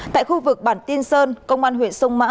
tại khu vực bản tin sơn công an huyện sông mã